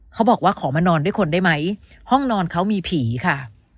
เขาบอกว่าขอมานอนด้วยคนได้ไหมห้องนอนเขามีผีค่ะ